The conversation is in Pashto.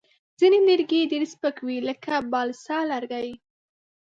ځینې لرګي ډېر سپک وي، لکه بالسا لرګی.